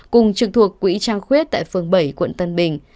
cùng trực thuộc quỹ trăng khuyết tại phường bảy quận tân bình